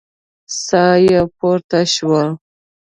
ساه يې پورته شوه.